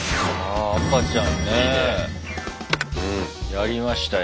やりましたよ。